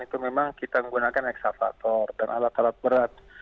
itu memang kita menggunakan eksavator dan alat alat berat